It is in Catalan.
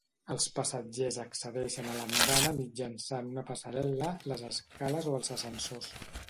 Els passatgers accedeixen a l'andana mitjançant una passarel·la, les escales o els ascensors.